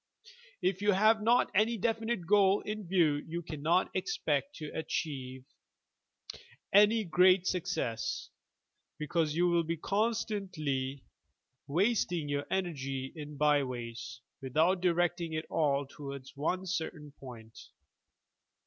If you have not any definite goal in view, you cannot expect to achieve SELF AND SOUL CULTURE 71 any great success, because you will be constantly wast ing your energy in byways, without directing it all towards one certain point.